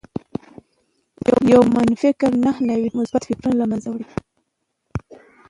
يو منفي فکر نهه نوي مثبت فکرونه لمنځه وړي